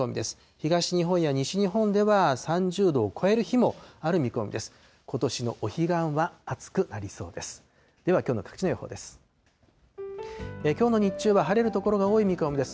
東日本や西日本では３０度を超える日もある見込みです。